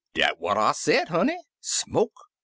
"Dat what I said, honey. Smoke!